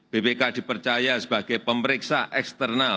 bpk dipercaya sebagai pemeriksa eksternal